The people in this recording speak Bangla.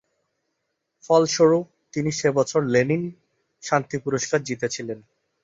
ফলস্বরূপ, তিনি সে বছর লেনিন শান্তি পুরস্কার জিতেছিলেন।